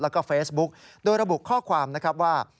แล้วก็เฟซบุ๊กโดยระบุข้อความนะครับว่า